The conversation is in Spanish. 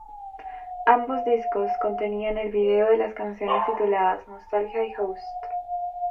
Ambos discos contenían el vídeo de las canciones tituladas "Nostalgia" y "Host".